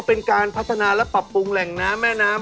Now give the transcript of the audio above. เป็นการพัฒนาและปรับปรุงแหล่งน้ำแม่น้ำ